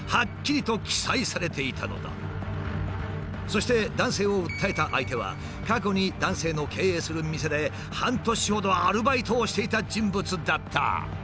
そして男性を訴えた相手は過去に男性の経営する店で半年ほどアルバイトをしていた人物だった。